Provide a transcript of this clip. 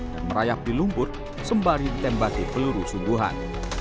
dan merayap di lumpur sembari tembaki peluru sungguhan